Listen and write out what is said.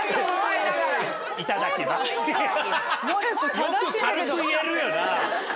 よく軽く言えるよな。